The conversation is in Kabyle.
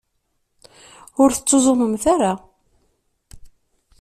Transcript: Ur tettuẓumemt ara.